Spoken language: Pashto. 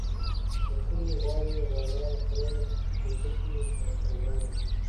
د کلي غواوې، غوایان، خره کوټکي او سخوندران وو.